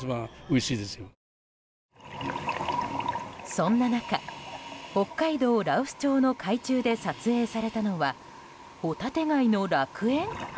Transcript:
そんな中北海道羅臼町の海中で撮影されたのはホタテ貝の楽園？